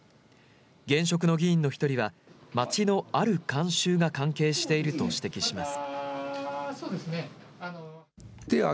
現職の議員の１人は町のある慣習が関係していると指摘します。